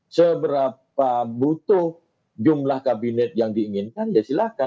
seberapa butuh jumlah kabinet yang diinginkan ya silahkan